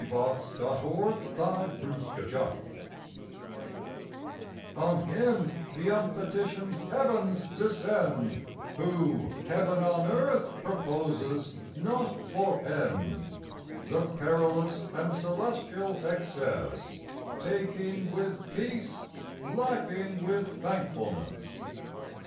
A COUNSEL OF MODERATION On him the unpetitioned heavens descend, Who heaven on earth proposes not for end; The perilous and celestial excess Taking with peace, lacking with thankfulness.